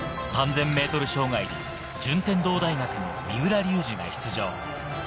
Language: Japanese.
３０００ｍ障害、順天堂大学の三浦龍司が出場。